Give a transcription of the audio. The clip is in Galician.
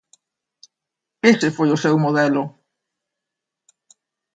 Ese foi o seu modelo.